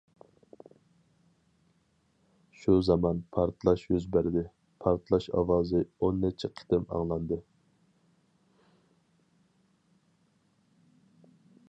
شۇ زامان پارتلاش يۈز بەردى، پارتلاش ئاۋازى ئون نەچچە قېتىم ئاڭلاندى.